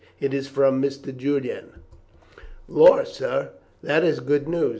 It is from Mr. Julian." "Lor', sir, that is good news!"